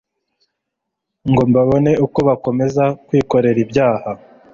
ngo babone uko bakomeza kwikorera ibyaha.